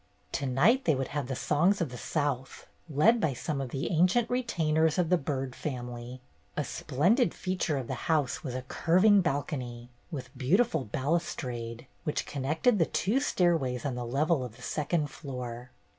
To night they would have the songs of the South, led by some of the ancient retainers of the Byrd family. A splendid feature of the house was a curv ing balcony, with beautiful balustrade, which connected the two stairways on the level of the second floor.